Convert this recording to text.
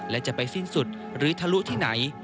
และจะไปสิ้นสุดหรือทะลุที่ไหน